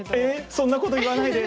そんなこと言わないで。